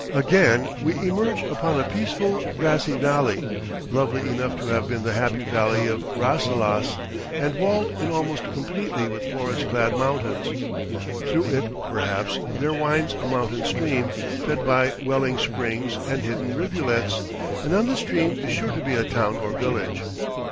Again, we emerge upon a peaceful grassy valley, lovely enough to have been the Happy Valley of Rasselas, and walled in almost completely with forest clad mountains. Through it, perhaps, there winds a mountain stream, fed by welling springs and hidden rivulets, and on the stream is sure to be a town or village.